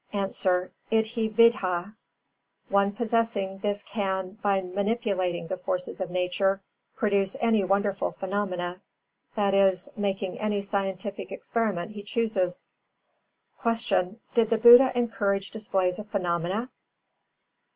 _ A. Iddhī vidha. One possessing this can, by manipulating the forces of Nature, produce any wonderful phenomenon, i.e., make any scientific experiment he chooses. 380. Q. _Did the Buddha encourage displays of phenomena?